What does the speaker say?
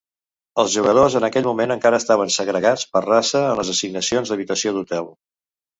Els jugadors en aquell moment encara estaven segregats per raça en les assignacions d'habitació d'hotel.